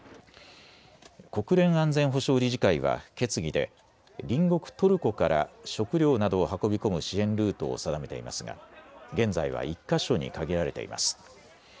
国連安全保障理事会は決議で隣国トルコから食料などを運び込む支援ルートを定めていますが、現在は１か所に限られています。